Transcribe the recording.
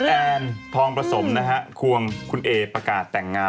แอนทองประสมนะฮะควงคุณเอประกาศแต่งงาน